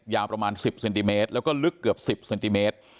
ยาวประมาณ๑๐เซนติเมตรแล้วก็ลึกเกือบ๑๐เซนติเมตร